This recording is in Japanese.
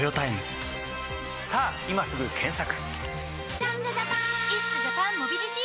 さぁ今すぐ検索！